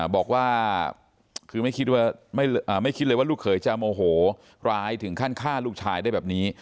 บอกว่าคือไม่คิดว่าไม่คิดเลยว่าลูกเขยจะโมโหร้ายถึงขั้นฆ่าลูกชายได้แบบนี้